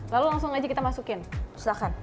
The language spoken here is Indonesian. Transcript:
lalu langsung aja kita masukin silahkan